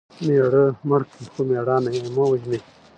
مېړه مړ کى؛ خو مړانه ئې مه وژنئ!